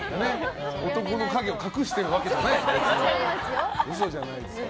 男の影を隠してるわけじゃないから。